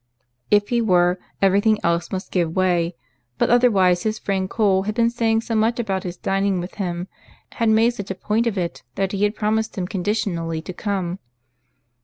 If he were, every thing else must give way; but otherwise his friend Cole had been saying so much about his dining with him—had made such a point of it, that he had promised him conditionally to come.